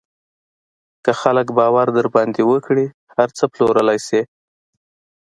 که خلک باور در باندې وکړي، هر څه پلورلی شې.